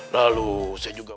lalu saya juga